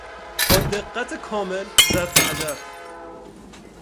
با دقت کامل زد به هدف.